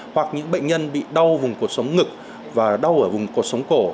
hoặc những bệnh nhân bị đau vùng cuộc sống ngực và đau ở vùng cột sống cổ